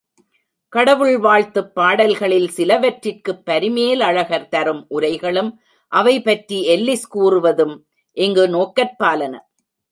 கடவுள் வாழ்த்துப் பாடல்களில் சிலவற்றிற்குப் பரிமேலழகர் தரும் உரைகளும் அவை பற்றி எல்லிஸ் கூறுவனவும் இங்கு நோக்கற்பாலன.